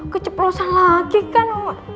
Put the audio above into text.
keceprosan lagi kan